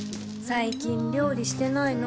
最近料理してないの？